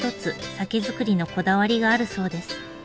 酒造りのこだわりがあるそうです。